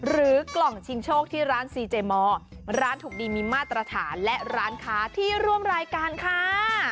กล่องชิงโชคที่ร้านซีเจมอร์ร้านถูกดีมีมาตรฐานและร้านค้าที่ร่วมรายการค่ะ